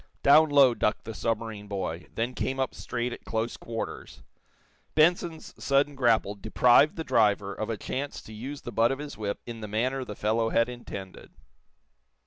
Down low ducked the submarine boy; then came up straight at close quarters. Benson's sudden grapple deprived the driver of a chance to use the butt of his whip in the manner the fellow had intended.